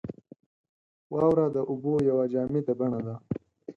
• واوره د اوبو یوه جامده بڼه ده.